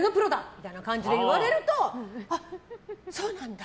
みたいな感じで言われるとあ、そうなんだ。